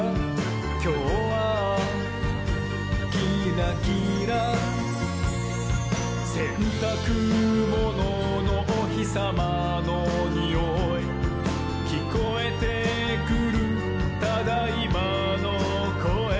「きょうはキラキラ」「せんたくもののおひさまのにおい」「きこえてくる『ただいま』のこえ」